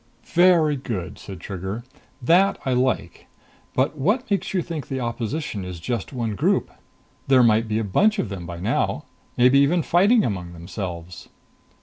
"Very good," said Trigger. "That I like! But what makes you think the opposition is just one group? There might be a bunch of them by now. Maybe even fighting among themselves."